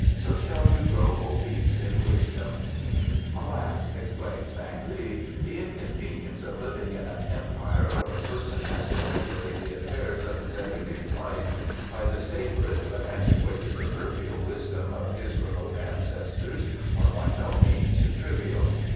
So shall you grow obese in wisdom'?" "Alas!" exclaimed Thang li, "the inconveniences of living in an Empire where a person has to regulate the affairs of his everyday life by the sacred but antiquated proverbial wisdom of his remote ancestors are by no means trivial.